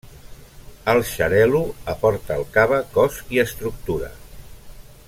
El xarel·lo aporta al cava cos i estructura.